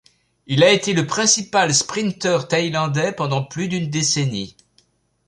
Il a été le principal sprinter thaïlandais pendant plus d'une décennie.